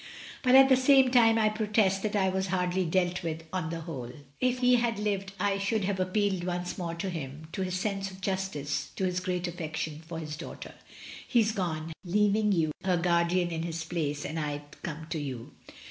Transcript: But at the same time I protest that I was hardly dealt with on the whole; if he had lived I should have appealed once more to him, to his sense of justice, to his great affection for his I I 2 MRS. DYMOND. daughter. He is gone, leaving you her guardian in his place, and I come to you.